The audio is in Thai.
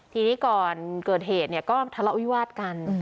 ทีนี้ก่อนเกิดเหตุก็ทะเลาวิวาสกัน